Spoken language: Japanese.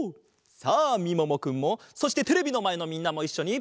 さあみももくんもそしてテレビのまえのみんなもいっしょに！